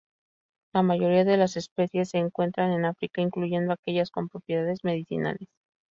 La mayoría de las especies se encuentran en África, incluyendo aquellas con propiedades medicinales.